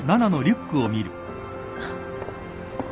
あっ。